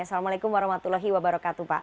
assalamualaikum warahmatullahi wabarakatuh pak